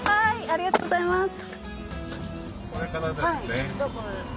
ありがとうございます。